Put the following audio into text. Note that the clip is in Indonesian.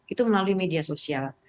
itu melalui media sosial